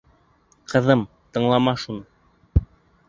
Ҡыҙым, тыңлама шуны.